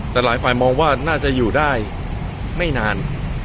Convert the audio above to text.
แต่หลายฝ่ายมองว่าน่าจะอยู่ได้ไม่นาน